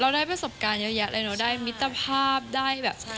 ได้ประสบการณ์เยอะแยะเลยเนอะได้มิตรภาพได้แบบ